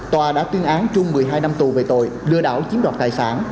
tòa đã tuyên án trung một mươi hai năm tù về tội lừa đảo chiếm đoạt tài sản